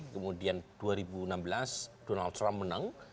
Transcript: kemudian dua ribu enam belas donald trump menang